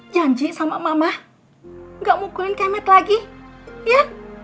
janji sama mama gak mukulin kemit lagi ya